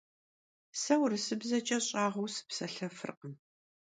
Se vurısıbzeç'e ş'ağueu sıpselhefırkhım.